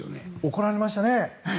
怒られましたね。